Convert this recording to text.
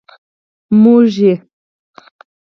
موږي.